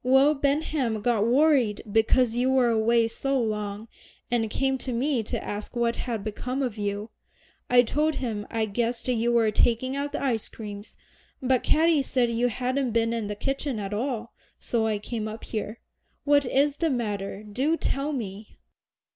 Will Benham got worried because you were away so long, and came to me to ask what had become of you. I told him I guessed you were taking out the ice creams, but Katy said you hadn't been in the kitchen at all, so I came up here. What is the matter do tell me?"